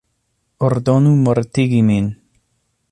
Ordonu mortigi min!